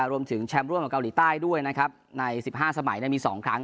รวมถึงแชมป์ร่วมกับเกาหลีใต้ด้วยนะครับใน๑๕สมัยมี๒ครั้ง